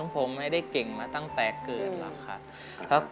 ผมไม่ได้เก่งมาตั้งแต่เกิดหรอกค่ะ